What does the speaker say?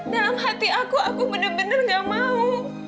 dalam hati aku aku bener bener gak mau